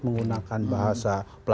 menggunakan bahasa pelangga pelangga